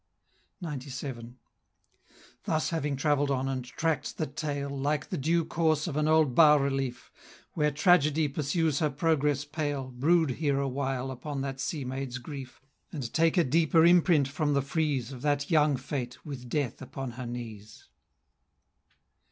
XCVII. Thus having travell'd on, and track'd the tale, Like the due course of an old bas relief, Where Tragedy pursues her progress pale, Brood here awhile upon that sea maid's grief, And take a deeper imprint from the frieze Of that young Fate, with Death upon her knees.